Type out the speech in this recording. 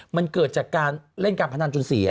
มันเกิดจากการเล่นการพนันจนเสีย